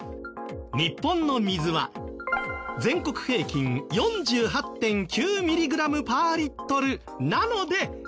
日本の水は全国平均４８．９ミリグラムパーリットルなので軟水。